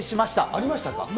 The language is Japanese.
ありましたか？